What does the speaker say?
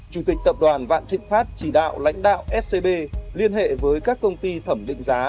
chủ tịch tập đoàn vạn thịnh pháp chỉ đạo lãnh đạo scb liên hệ với các công ty thẩm định giá